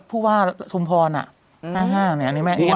พูดว่าชมพร๕๕เนี่ย